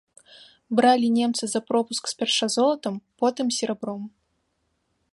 Бралі немцы за пропуск спярша золатам, потым серабром.